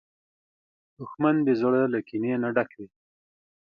دښمن د زړه له کینې نه ډک وي